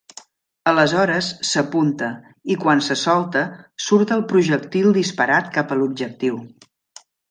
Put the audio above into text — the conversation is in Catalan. Aleshores, s'apunta i, quan se solta, surt el projectil disparat cap a l'objectiu.